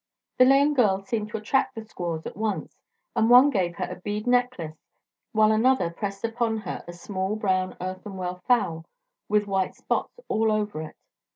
The lame girl seemed to attract the squaws at once, and one gave her a bead necklace while another pressed upon her a small brown earthenware fowl with white spots all over it.